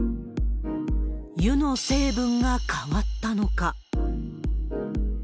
湯の成分が変わったのか。